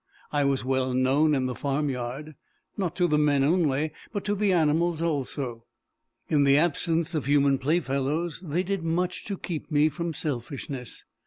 I was well known in the farmyard, not to the men only, but to the animals also. In the absence of human playfellows, they did much to keep me from selfishness.